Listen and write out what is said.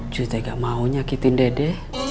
jut aja nggak mau nyakitin dede